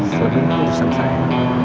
sebelum urusan saya